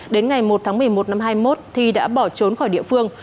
đến ngày một tháng một mươi một năm hai nghìn một mươi một thi đã bỏ trốn khỏi địa phương